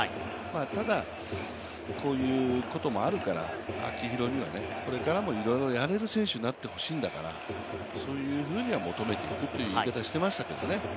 ただ、こういうこともあるから秋広にはこれからもやれる選手になってほしいんだとそういうふうには求めていくという言い方はしてましたけどね。